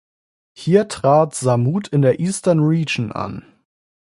Hier trat Samut in der Eastern Region an.